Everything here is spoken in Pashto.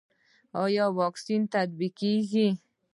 آیا واکسین تطبیقیږي؟